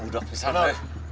udah pisang teh